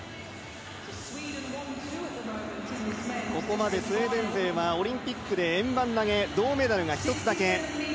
ここまでスウェーデン勢はオリンピックで円盤投げ、銅メダルが一つだけ。